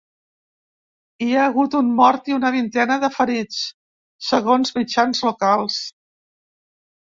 Hi ha hagut un mort i una vintena de ferits, segons mitjans locals.